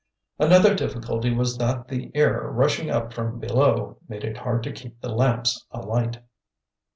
Another difficulty was that the air rushing up from below made it hard to keep the lamps alight.